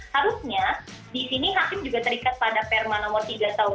harusnya di sini hakim juga terikat pada perma nomor tiga tahun dua ribu dua